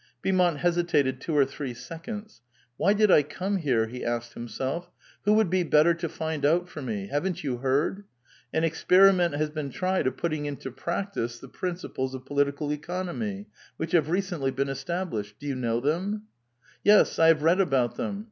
Beaumont hesitated two or three seconds. " Why did I come here?" he asked himself; "who would be better to find out for me? — Haven't you heard? An experiment has been tried of putting into practice the principles of political economy, which have recently been established ; do you know them ?"'* Yes, I have read about them.